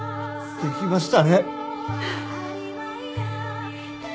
できました！